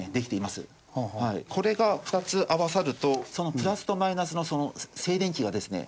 これが２つ合わさるとそのプラスとマイナスの静電気がですね